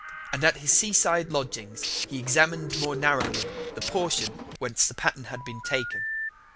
And at his seaside lodgings he examined more narrowly the portion whence the pattern had been taken.